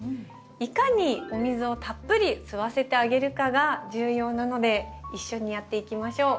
いかにお水をたっぷり吸わせてあげるかが重要なので一緒にやっていきましょう。